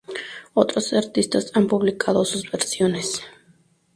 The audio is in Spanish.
Otros artistas han publicado sus versiones.